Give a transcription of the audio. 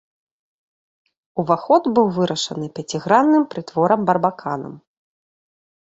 Уваход быў вырашаны пяцігранным прытворам-барбаканам.